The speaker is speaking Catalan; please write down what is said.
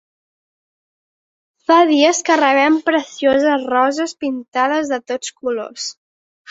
Fa dies que rebem precioses roses pintades de tots colors.